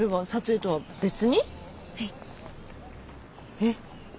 えっ？